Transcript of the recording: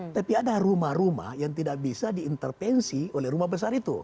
tapi ada rumah rumah yang tidak bisa diintervensi oleh rumah besar itu